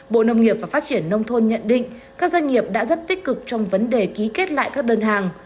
bộ nông nghiệp và phát triển nông thôn nhận định các doanh nghiệp đã rất tích cực trong vấn đề ký kết lại các đơn hàng